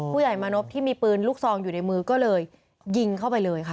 ผู้ใหญ่มานพที่มีปืนลูกซองอยู่ในมือก็เลยยิงเข้าไปเลยค่ะ